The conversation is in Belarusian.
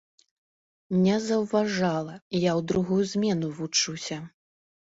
Не заўважала, я ў другую змену вучуся.